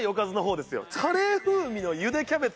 カレー風味の茹でキャベツ